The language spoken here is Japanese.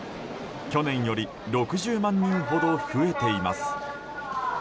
去年より６０万人ほど増えています。